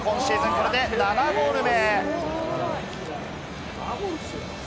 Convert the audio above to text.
これで７ゴール目。